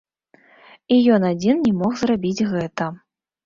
І ён адзін не мог зрабіць гэта.